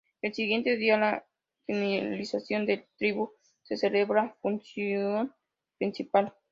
El siguiente día a la finalización del triduo se celebra Función Principal.